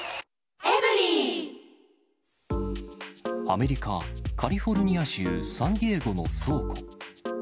アメリカ・カリフォルニア州サンディエゴの倉庫。